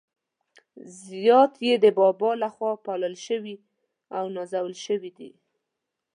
زیات يې د بابا له خوا پالل شوي او نازول شوي دي.